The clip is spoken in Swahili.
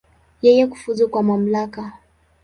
Yeye kufuzu kwa mamlaka.